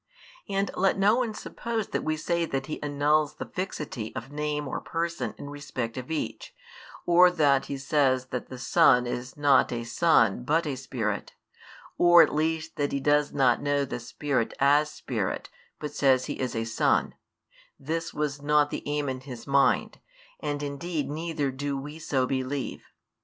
And let no one suppose that we say that he annuls the fixity of name or person in respect of each, or that he says that the Son is not a Son but a Spirit, or at least that he does not know the Spirit as Spirit, but says He is a Son; this was not the aim in his mind, and indeed neither do we so believe.